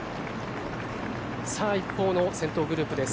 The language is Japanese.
一方の先頭グループです。